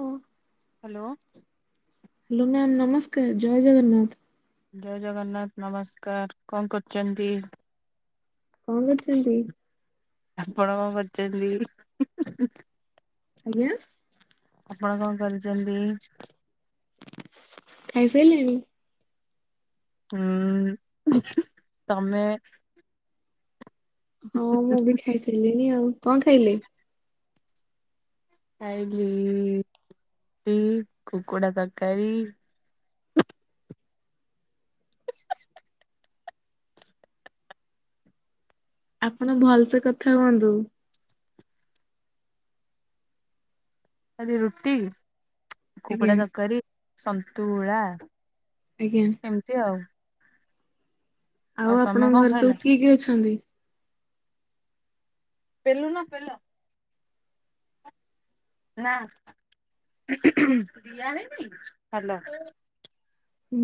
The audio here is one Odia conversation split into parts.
ଓ ହ୍ୟାଲୋ। ହ୍ୟାଲୋ ମ୍ୟାମ୍ ନମସ୍କାର ଜୟ ଜଗନ୍ନାଥ। ଜୟ ଜଗନ୍ନାଥ ନମସ୍କାର କଣ କରୁଛନ୍ତି? କଣ କରିଛନ୍ତି? ଆପଣ କଣ କରୁଛନ୍ତି? ଆଜ୍ଞା। ଆପଣ କଣ କରିଛନ୍ତି? ଖାଇସାରିଲିଣି? ହୁଁ ତମେ? ହଁ ମୁଁ ବି ଖାଇଥିଲିିନି ଆଉ କଣ ଖାଇଲେ? କାଇଲି ରଟି କୁକୁଡ଼ା ତରକାରୀ ଆପଣ ଭଲ ସେେ କଥା ହୁହନ୍ତୁ। ତରକାରୀ ରୁଟି ଆଜ୍ଞା କଙ୍କଡା ତରକାରୀ ସନ୍ତୁଳା। ଆଜ୍ଞା। ଏମିତି ଆଉ। ଆଉ ତମେ ଆପଣଙ୍କ କଣ ଘରେ ଖାଇଲ? ସବୁ କିଏ କିଏ ଅଛନ୍ତି? ପେଲୁ ନା ପେଲ। ନା ହ୍ୟାଲୋ।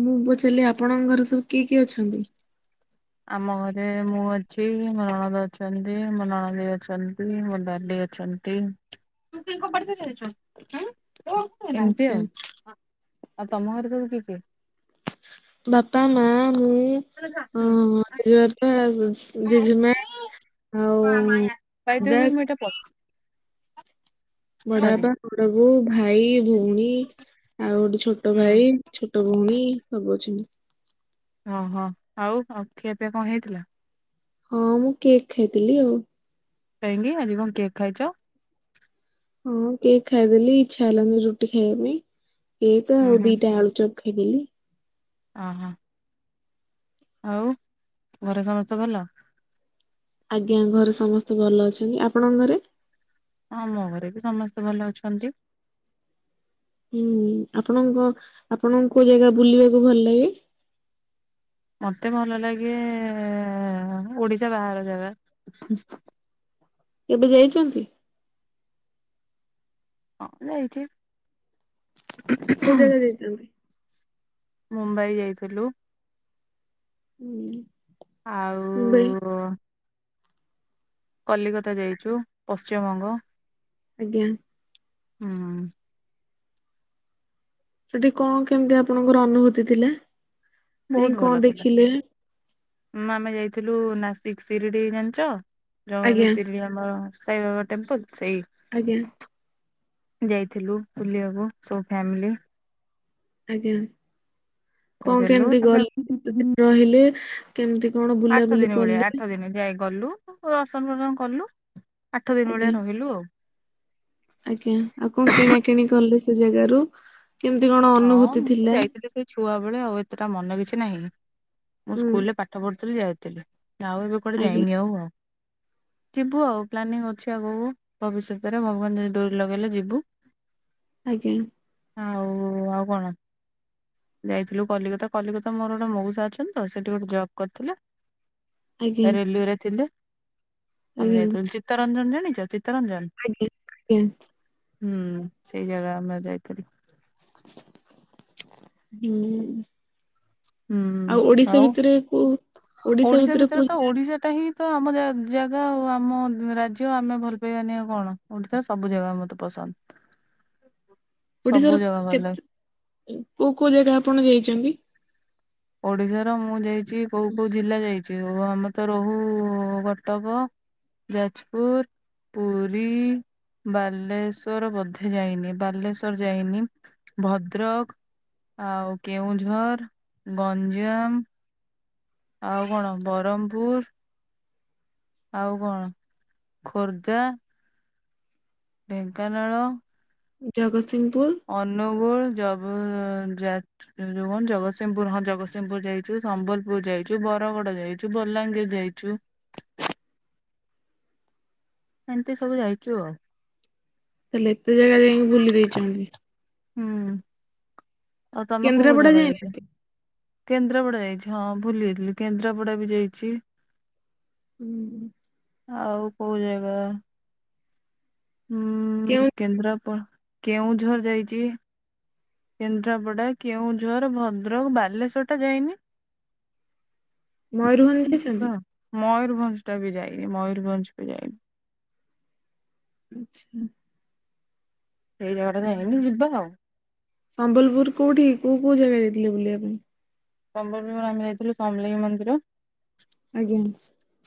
ମୁଁ ପଚାରିଲି ଆପଣଙ୍କ ଘରେ ସବୁ କିଏ କିଏ ଅଛନ୍ତି? ଆମ ଘରେ ମୁଁ ଅଛି ମୋ ନଣଦ ଅଛନ୍ତି ମୋ ନଣଦେଇ ଅଛନ୍ତି ମୋ ଡାଡ଼ି ଅଛନ୍ତି। ତୀ। ଏମିତି ଆଚ୍ଛା ଆଉ ତମ ଘରେ ସବୁ କିଏ କିଏ ଅ? ବାପା ମା ମୁଁ। ଓ ଜେଜେବାପା ଜେଜେମା। ଆଉ ପାଇଦ ନାଗଦାଗ [inaudible] ପଚାରି ବଡବାପା ବଡବୋଉ ଭାଇ ଭଉଣୀ ଆଉ ଗୋଟେ ଛୋଟ ଭାଇ। ଛୋଟଭଉଣୀ ସବୁ ଅଛନ୍ତି। ଓହୋ ଆଉ ଆଉ ଖିଆ ପିଆ କଣ ହେଇଥିଲା? ହଁ ମୁଁ କେକ୍ ଖାଇଥିଲି ଆଉ। କାହିଁକି ଆଜି କଣ କେକ୍ ଖାଇଛ? ହଁ କେକ୍ ଖାଇଦେଲି ଇଚ୍ଛା ହେଲାନି ରୁଟି ଖାଇବା ପାଇଁ କେକ୍ ହୁଁ ଆଉ ହୁଁ ଦିଟା ଆଳୁଚପ। ଖାଇଦେଲି। ଓହୋ। ଆଉ ଘରେ ସମସ୍ତେ ଭଲ। ଆଜ୍ଞା ଘରେ ସମସ୍ତେ ଭଲ ଅଛନ୍ତି ଆପଣଙ୍କ ଘରେ। ଆମ ଘରେ ବି ସମସ୍ତେ ଭଲ ଅଛନ୍ତି। ହୁଁ ଆପଣଙ୍କ ଆପଣଙ୍କୁ କୋଉ ଜାଗା ବୁଲିବାକୁ ଭଲ ଲାଗେ? ମତେ ଭଲ ଲାଗେ ଏ ଓଡିଶା ବାହାର ଜାଗା। କେବେ ଯାଇଛନ୍ତି? ହଁ ଯାଇଛି। କୋଉ ଯାଗା ଯାଇଛନ୍ତି? ମୁମ୍ବାଇ ଯାଇଥିଲୁ। ହୁଁ। ମୁମ୍ବାଇ ଆଉ କଲିକତା ଯାଇଛୁ ପଶ୍ଚିମବଙ୍ଗ। ଆଜ୍ଞା। ହଁ। ସେଠି କଣ କେମିତି ଆପଣଙ୍କର ଅନୁଭୂତି ଥିଲା? ଯାଇ ବହୁତ କଣ ଭଲ ଦେଖିଲେ ଥିଲାଁ ଆମେ ଯାଇଥିଲୁ ନାସିକ ସିରିଡି ଜାଣିଛ। ର ଆଜ୍ଞା ଶିରିଡ଼ି ଆମ ସାାଇବାବା ଟେମ୍ପୂଲ୍ ସେଇ। ଆଜ୍ଞା। ଯାଇଥିଲୁ ବୁଲିବାକୁ ସବୁ ଫ୍ୟାମିଲି। ଆଜ୍ଞା। କଣ ଯାଇଥିଲୁ କେମତି ତାପରେ ଗଲେ କେତେ ଦିନ ରହିଲେ କେମିତି କଣ ଆଠ ବୁଲାବୁଲି ଦିନ ଭଳିଆ କଲେ? ଆଠ ଦିନ ଯାଇ ଗଲୁ ଦର୍ଶନ ଫସନ କଲୁ ଆଠ ଦିନ ଭଳିଆ ଆଜ୍ଞା। ରହିଲୁ ଆଉ। ଆଜ୍ଞା ଆଉ କଣ କିଣା କିିଣି କଲେ ସେ ଜାଗାରୁ? କେମିତି କଣ ହଁ ଅନୁଭୂତି ମୁଁ ଥିଲା? ଯାଇଥିଲି ସେଇ ଛୁଆ ବେଳେ ଆଉ ଏତେଟା ମନ କିଛି ନାହିଁ ମୁଁ ହୁଁ ସ୍କୁଲରେ ପାଠ ପାଠ ପଢ଼ୁଥିଲି ଯାଇଥିଲି ତଆଉ ଏବେ କୁଆଡେ ଆଜ୍ଞା ଯାଇନି ଆଉ ଆଉ। ଯିବୁ ଆଉ ପ୍ଲାନିଙ୍ଗ ଅଛି ଆଗକୁ ଭବିଷ୍ୟତରେ ଭଗବାନ ଯଦି ଡୋରି ଲଗେଇଲେ ଯିବୁ। ଆଜ୍ଞା। ଆଉ ଆଉ କଣ? ଯାଇଥିଲୁ କଲିକତା କଲିକତା ମୋର ଗୋଟେ ମଉସା ଅଛନ୍ତି ତ ସେଠି ଗୋଟେ ଜବ୍ କରିଥିଲା। ଆଜ୍ଞା ରେଲୱେରେ ଥିଲେ ଆମେ ଆଜ୍ଞା ଯାଇଥିଲୁ, ଚିତ୍ତରଞ୍ଜନ ଜାଣିଛ ଚିତ୍ତରଞ୍ଜନ। ଆଜ୍ଞା ଆଜ୍ଞା। ହୁଁ ସେଇ ଯାଗା ଆମେ ଯାଇଥିଲୁ। ହୁଁ। ଆଉ ଓଡିଶା ଭିତରେ କୋଉ ଓଡିଶା ଭିତରେ କୋଉ ଯାଗା। ସେଟା ହିଁ। ତ ଆମ ରା ଜାଗା ଆଉ ଆମ ରାଜ୍ୟ ଆମେ ଭଲ ପାଇବାନି ଆଉ କଣ ଓଡିଶାର ସବୁ ଜାଗା ମତେ ପସନ୍ଦ। ଓଡିଶାର ସବୁ ଜାଗା ଭଲ ଲାଗେ କେତେ କୋଉ କୋଉ ଜାଗା ଆପଣ ଯାଇଛନ୍ତି? ଓଡିଶ ର ମୁଁ ଯାଇଛି କୋଉ କୋଉ ଜିଲ୍ଲା ଯା ଯେଉ ଆମେ ତ ରହୁ କଟକ, ଯାଜପୁର। ପୁରୀ ବାଲେଶ୍ଵର ବୋଧେ ଯାଇନି ବାଲେଶ୍ଵର ଯାଇନି। ଭଦ୍ରକ ଆଉ କେଉଁଝର, ଗଞ୍ଜାମ। ଆଉ କଣ ବରମପୁର। ଆଉ କଣ ଖୋର୍ଦ୍ଧା। ଢେଙ୍କାନାଳ। ଜଗତସିଂହପୁର। ଅନୁଗୁଳ ଜବ ଜା ଯୋଉ କଣ ଜଗତସିଂହପୁର ହଁ ଜଗତସିଂହପୁର ଯାଇଛୁ ସମ୍ବଲପୁର ଯାଇଛୁ ବରଗଡ ଯାଇଛୁ ବଲାଙ୍ଗୀର ଯାଇଛୁ। ଏମିତି ସବୁ ଯାଇଛୁ ଆଉ। ତାହେଲେ ଏତେ ଜାଗା ଯାଇକି ବୁଲି ଦେଇଛନ୍ତି। ହୁଁ ଆଉ ତମେ କୋଉ କୋଉ କେନ୍ଦ୍ରାପଡା ଜାଗା ଯାଇଛ? ଯାଇନାହାନ୍ତି? କେନ୍ଦ୍ରାପଡା ଯାଇଛି ହଁ ଭୁଲି ଯାଇଥିଲି କେନ୍ଦ୍ରାପଡା ବି ଯାଇଛି। ହୁଁ। ଆଉ କୋଉ ଜାଗା। ହୁଁ କେଉଁ କେନ୍ଦ୍ରାପଡ଼ା କେଉଁଝର ଯାଇଛି। କେନ୍ଦ୍ରାପଡ଼ା, କେଉଁଝର, ଭଦ୍ରକ, ବାଲେଶ୍ୱର ଟା ଯାଇନି। ମୟୂରଭଞ୍ଜ ଯାଇଛନ୍ତି। ମୟରଭଞ୍ଜ ଟା ବି ଯାଇନି ମୟୂରଭଞ୍ଜ ବି ଯାଇନି। ଆଚ୍ଛା। ସେଇ ଜାଗାଟା ଯାଇନି ଯିବା ଆଉ। ସମ୍ବଲପୁର କୋଉଠି କି କୋଉ କୋଉ ଜାଗା ଯାଇଥିଲେ ବୁଲିବା ପାଇଁ? ସମ୍ବଲପୁର ଆମେ ଯାଇଥିଲୁ ସମଲେଇ ମନ୍ଦିର। ଆଜ୍ଞା।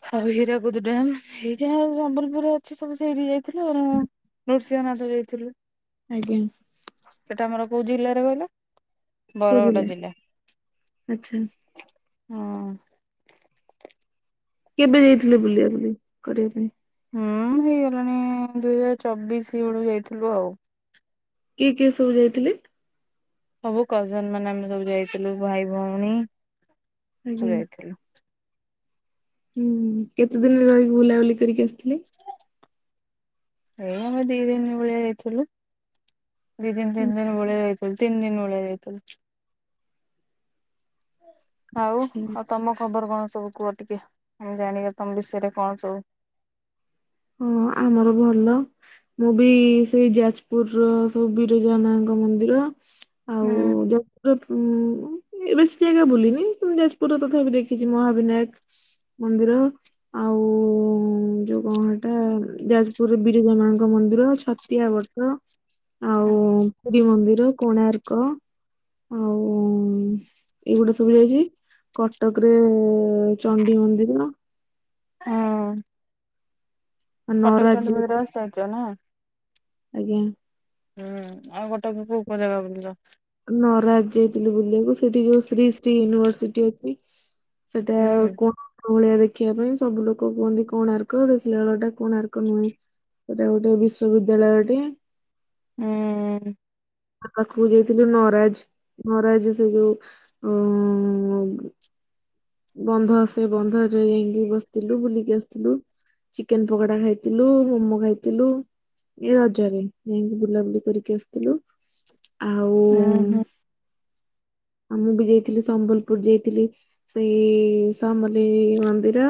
ଖାଲି ହୀରାକୁଦ ଡ଼୍ୟାମ ସେଇ ଯୋଉ ଆଉ ସମ୍ବଲପୁର ରେ ଅଛି ସବୁ ସେଇଠି କି ଯାଇଥିଲୁ ଆଉ। ନୃସିଂହନାଥ ଯାଇଥିଲୁ। ଆଜ୍ଞା। ସେଟା ଆମର କୋଉ ଜିଲ୍ଲାରେ କହିଲ? ବରଗଡ଼ା ଜିଲ୍ଲା ଆଚ୍ଛା ହୁଁ। କେବେ ଯାଇଥିଲେ ବୁଲିବା ବୁଲି କରିବା ପାଇଁ? ହୁଁ ହେଇଗଲାଣି ଦି ହଜାର ଚବିଶି ବେଳେ ଯାଇଥିଲୁ ଆଉ। କିଏ କିଏ ସବୁ ଯାଇଥିଲେ? ସବୁ କଜନ ମାନେ ଆମେ ସବୁ ଯାଇଥିଲୁ ଭାଇ ଭଉଣୀ ଆଜ୍ଞା ସବୁ ଯାଇଥିଲୁ। ହୁଁ କେତେ ଦିନ ରହିକି ବୁଲାବୁଲି କରିକି ଆସିଥିଲେ? ଏଇ ଆମେ ଦି ଦିନ ଭଳିଆ ଯାଇଥିଲୁ ଦି ଦିନ ତିନ ଦିନ ଭଳିଆ ଯାଇଥିଲୁ। ତିନ ଦିନ ଭଳିଆ ଯାଇଥିଲୁ। ଆଉ ଆଛା ଆଉ ତମ ଖବର କଣ ସବୁ କୁହ ଟିକେ ଆମେ ଜାଣିବା ତମ ବିଷୟରେ କଣ ସବୁ। ହୁଁ ଆମର ଭଲ। ମୁଁ ବି ସେଇ ଯାଜପୁର ରୁ ସବୁ ବିରଜା ମାଙ୍କ ମନ୍ଦିର। ଆଉ ହୁଁ ଯପ ଉ ଏ ବେଶୀ ଜାଗା ବୁଲିନି। ଯାଜପୁର ର ତଥାପି ଦେଖିଛି ମହାବିନାୟକ ମନ୍ଦିର। ଆଉ ଯୋଉ କଣ? ଟା ଯାଜପୁର ବିରଜା ମାଙ୍କ ମନ୍ଦିର। ଛତିଆ ବଟ ଆଉ ଶ୍ରୀ ମନ୍ଦିର କୋଣାର୍କ ଆଉ ଏଇଗୁଡା ସବୁ ଯାଇଛି। କଟକ ରେ ଚଣ୍ଡି ମନ୍ଦିର ହଁ। କଟକ ନରାଜ ଚଣ୍ଡୀ ମନ୍ଦିର ଯାଇ- ଆସି ଯାଇଛ ନା। ଆଜ୍ଞା। ହୁଁ ଆଉ ଗୋଟେ କୋଉ କୋ ଜାଗା ପଛ। ନରାଜ ଯାଇଥିଲୁ ବୁଲିବାକୁ। ସେଠି ଯୋଉ ଶ୍ରୀ ଶ୍ରୀ ୟୁନିଭରସିଟି ଅଛି। ସେଟା ହୁଁ କଣ? ଭଳିଆ ଦେଖିବା ପାଇଁ ସବୁ ଲୋକ କୁହନ୍ତି କଣ ଆର୍କ ଦେଖିଲା ବେଳ ଟା କଣ ଆର୍କ ନୁହେଁ। ସେଟା ଗୋଟେ ବିଶ୍ବିଦ୍ୟାଳୟଟି। ହୁଁ। ତା ପାଖକୁ ଯାଇଥିଲୁ ନରାଜ। ମହାରଜ ସେ ଯୋଉ ଉ ବନ୍ଧ ଆସ ବନ୍ଧ ଯ ଯାଇକି ବସିଥିଲୁ ବୁଲିକି ଆସିଥିଲୁ। ଚିକେନ ପକୋଡା ଖାଇଥିଲୁ। ମୋମୋ ଖାଇଥିଲୁ। ଏ ରଜାରେ ଯାଇକି ବୁଲାବୁଲି କରିକି ଆସିଥିଲୁ। ଆଉ ହୁଁ ହୁଁ ଆମ ବି ଯାଇଥିଲି। ସମ୍ବଲପୁର ଯାଇଥିଲି। ସେଇ ସମଲେଇ ମନ୍ଦିର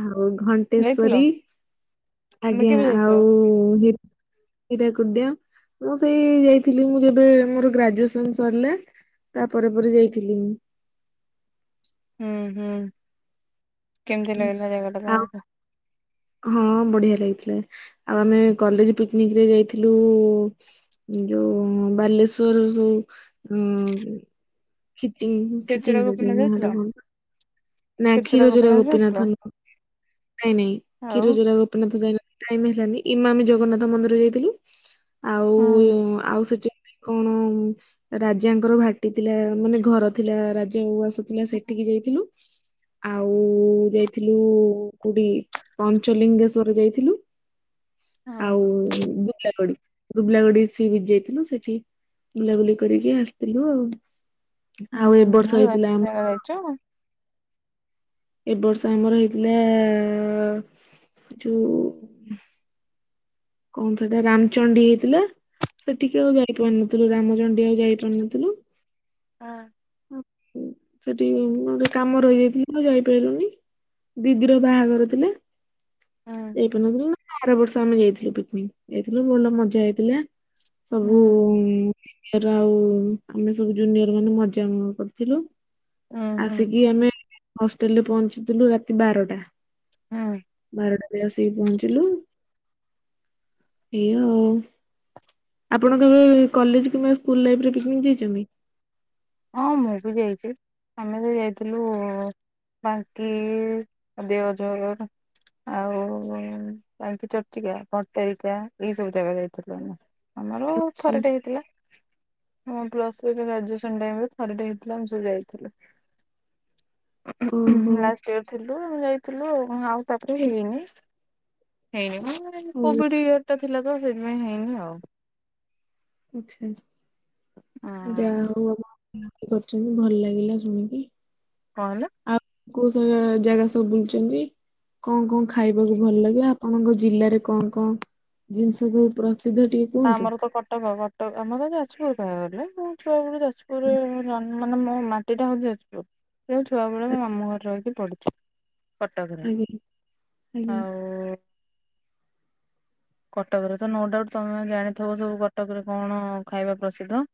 ଆଉ ଘଣ୍ଟ ଯାଇଥିଲ ଟେଶରୀ ତମେ ଆଜ୍ଞା କେବେ ଯାଇଥିଲ ଆଉ ହ ହିରାକୁଦିଆ ମୁଁ ସେଇ ଯାଇ ଥିଲି ମୁଁ ଯେବେ ମୋର ଗ୍ରାଜୁଏସନ ସରିଲା ତା ପରେ ପରେ ଯାଇଥିଲି। ହୁଁ ହୁଁ। କେମିତି ଲାଗିଲା ଜାଗାଟା ଆଉ ତାହେଲେ? ହଁ ବଢିଆ ଲାଗିଥିଲା। ଆଉ ଆମେ କଲେଜ ପିକନିକରେ ଯାଇଥିଲୁ ଯୋଉ ବାଲେଶ୍ଵର ଯୋଉ ଅ ଖିଚିଙ୍ଗ୍ କ୍ଷୀରଚୋରା ଖିଚିଙ୍ଗ କହୁଛନ୍ତି ଗୋପୀନାଥ ଯାଇଥିଲ ନାହାଟା କଣ? ନା କ୍ଷୀର କ୍ଷୀରଚୋରା ଜୋରା ଯାଇଥିଲ ଗୋପୀନାଥ ନୁହଁ ନାଇଁ ନାଇଁ ଆଉ କ୍ଷୀର ଜୋରା ଗୋପୀନାଥ ଯାଇନା। ଟାଇମ ହେଲାନି ଇମା ଆମେ ଜଗନ୍ନାଥ ମନ୍ଦିର ଯାଇଥିଲୁ। ଆଉ ହୁଁ ଆଉ ସେଠ କଣ? ରାଜାଙ୍କର ଭାଟି ଥିଲା ମାନେ ଘର ଥିଲା ରାଜା ଉଆସ ଥିଲା ସେଠିକି ଯାଇଥିଲୁ। ଆଉ ମୁ ଯାଇଥିଲୁ କୋଉଠି ପଞ୍ଚଲିଙ୍ଗେଶ୍ଵର ଯାଇଥିଲୁ। ହୁଁ ଆଉ ଗୁତାକୋଡି। ଗୁବୁଲା ଗୁଡି ସି ବିଚ୍ ଯାଇଥିଲୁ। ସେଠି ବୁଲାବୁଲି କରିକି ଆସିଥିଲୁ ଆଉ। ଆଉ ଏ ବର୍ଷ ହେଇଥିଲା ଆମ ଯାଇଛୁ। ଏବ ବର୍ଷ ଆମର ହେଇଥିଲା ଯୋଉ କଣ ସେଇଟା? ରାମଚଣ୍ଡୀ ହେଇଥିଲା। ସେଠିକେ ଆଉ ଯାଇପାରୁନଥିଲୁ। ରାମଚଣ୍ଡୀ ଆଉ ଯାଇପାରୁନଥିଲୁ। ହଁ। ସେଠି ଗୋଟେ କାମ ରହିଯାଇଥିଲା। ତ ଯାଇପାରିଲୁନି। ଦିଦିର ବାହାଘର ଥିଲେ। ହଁ। ଯାଇପାରୁନଥିଲୁ। ନା ଆର ବର୍ଷ ଆମେ ଯାଇଥିଲୁ ପିକନିକ। ଯାଇଥିଲୁ ଭଲ ମଜା ହେଇଥିଲା। ସବୁ ହୁଁ ୟର ଆଉ ଆମେ ସବୁ ଜୁନିୟର ମାନେ ମଜା କରିଥିଲୁ। ହୁଁ ଆସିକି ଆମେ ହଷ୍ଟେଲରେ ପହଞ୍ଚିଥିଲୁ ରାତି ବାରଟା। ହଁ। ବାରଟାରେ ଆସିକି ପହଞ୍ଚିଲୁ। ଏ ଆଉ। ଆପଣ କେବେ କଲେଜ କିମ୍ବା ସ୍କୁଲ ଲାଇଫ୍ ରେ ପିକନିକ ଯାଇଛନ୍ତି? ହଁ ମୁଁ ବି ଯାଇଛି ଆମେ ତ ଯାଇଥିଲୁ ବାଙ୍କି ଦେଓଝର। ଆଉ ବାଙ୍କୀ ଚର୍ଚିକା ଭଟାରିକା ଏଇ ସବୁ ଜାଗା ଯାଇଥିଲୁ ଆମେ। ଆମର ଆଚ୍ଛା, ଥରଟେ ହେଇଥିଲା ଆମ ପ୍ଲସ ଗ୍ରାଡୁଏ କନ୍ ଟାଇମ୍ ରେ ଥରଟେ ହେଇଥିଲା ଆମେ ସବୁ ଯାଇଥିଲୁ ଓହୋ ଲାଷ୍ଟ୍ ୟର୍। ଥିଲୁ ଯାଇଥିଲୁ ଆଉ ତାପରେ ହେଇନି ହେଇନି। ହଉ। କୋଭିଡ ଇୟର ଟା ଥିଲା ତ ସେଇଥିପାଇଁ ହେଇନି ଆଉ। ଆଚ୍ଛା ଯାହା କଣ ହଉ ଆପଣ ବୁଲାବୁଲି କରିଛନ୍ତି ଭଲ ଲାଗିଲା ଶୁଣିକି। କଣ ହେଲା? ଆଉ କୋଉ ସବୁ ଜାଗା ସବୁ ବୁଲୁଛନ୍ତି? କଣ କଣ ଖାଇବାକୁ ଭଲ ଲାଗେ ଆପଣଙ୍କ ଜିଲ୍ଲାରେ କଣ କଣ ଜିନିଷ ସବୁ ପ୍ରସିଦ୍ଧ ଟି ଆମର ତ କଟକ କଟକ ଆମର ତ ଯାଜପୁର କହିବାକୁ ଗଲେ ମୁ ଛୁଆ ବେଳୁ ଯାଜପୁରରେ ମାନେ ମୋ ମାଟି ଟା ହଉଛି ଯାଜପୁର ଛୁଆ ବେଳୁ ମୋ ମାମୁ ଘରେ ରହିକି ପଢ଼ୁଛି। କଟକ ରେ ଆଜ୍ଞା ଆଜ୍ଞା ଆଉ କଟକରେ ତ ନୋ ଡାଉଟ ତମେ ଜାଣିଥିବ ଯୋଉ କଟକରେ କଣ ଖାଇବା ପ୍ରସିଦ୍ଧ?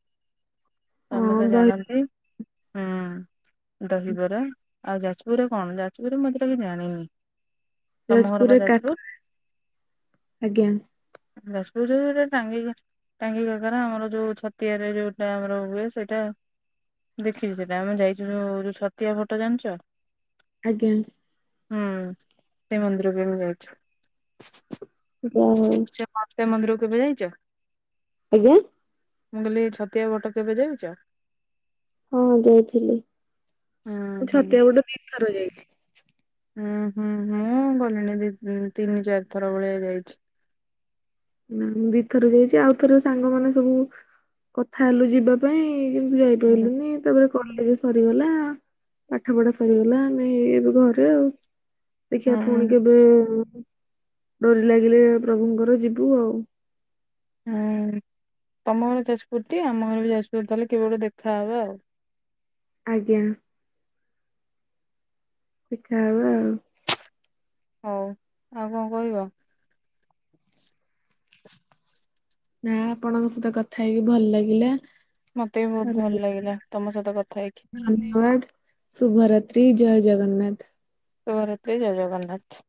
ହଁ ସମସ୍ତେ ଦହି ଜାଣନ୍ତି ହୁଁ ଦହିବରା। ଆଉ ଯାଜପୁରରେ କଣ ଯାଜପୁରରେ ମୁଁ ଏତେଟା କିଛି ଜାଣିନି। ତମ ଘର ବା ଯାଜପୁରରେ ଯାଜପୁର କାକ୍ ଆଜ୍ଞା। ଯାଜପୁରରେ ଟାଙ୍ଗି ଟାଙ୍ଗି କାକରା ଆମର ଯୋଉ ଛତିଆରେ ଯୋଉଟା ଆମର ହୁଏ ସେଇଟା ଦେଖିଛି ସେଟା ଆମେ ଯାଇଛୁ ଯୋଉ ଯୋଉ ଛତିଆ ଭଟ ଜାଣିଛ? ଆଜ୍ଞା। ହୁଁ, ସେ ମନ୍ଦିର ବି ଆମେ ଯାଇଛୁ। ଯାହା ହଉ ସେ ମତେ ମନ୍ଦିରକୁ କେବେ ଯାଇଛ? ଆଜ୍ଞା। ମୁଁ କହିଲି ଛତିଆ ବଟ କେବେ ଯାଇଛ? ହଁ, ଯାଇଥିଲି ହୁଁ ମୁ ହୁଁ। ଛତିଆ ବଟ ଦି ଥର ଯାଇଛି। ହୁଁ ହୁଁ ମୁଁ ଗଲିଣି ଦି, ତିନି, ଚାରି ଥର ଭଳିଆ ଯାଇଛି। ମୁଁ ଦି ଥର ଯାଇଛି ଆଉ ଥରେ ସାଙ୍ଗ ମାନେ ସବୁ କଥା ହେଲୁ ଯିବା ପାଇଁ କିନ୍ତୁ ହୁଁ ଯାଇପାରିଲୁନି ତାପରେ କଲେଜ ସରିଗଲା ପାଠ ପଢା ସରିଗଲା ଆମେ ଏଇ ଏବେ ଘରେ ଆଉ। ଦେଖିଆ ପୁଣି ହୁଁ କେବେ ଡୋରି ଲାଗିଲେ ପ୍ରଭୁଙ୍କର ଯିବୁ ଆଉ। ହୁଁ, ତମ ଘର ଯାଜପୁର ଟି ଆମ ଘରେ ବି ଯାଜପୁର ତାହେଲେ କେବେ ଗୋଟେ ଦେଖାହେବା ଆଉ। ଆଜ୍ଞା। ଦେଖା ହେବା ଆଉ। ହଉ ଆଉ କଣ କହିବ? ନା, ଆପଣଙ୍କ ସହିତ କଥା ହେଇକି ଭଲ ଲାଗିଲା। ମତେ ବି ବହୁତ ଭଲ ଲାଗିଲା ତମ ସହିତ କଥା ହେଇକି। ଧନ୍ୟବାଦ ଶୁଭରାତ୍ରି ଜୟ ଜଗନ୍ନାଥ। ଶୁଭରାତ୍ରି ଜୟ ଜଗନ୍ନାଥ।